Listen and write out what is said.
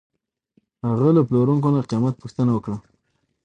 هغه له پلورونکي نه قیمت پوښتنه وکړه.